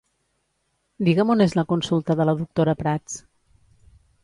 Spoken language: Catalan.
Digue'm on és la consulta de la doctora Prats.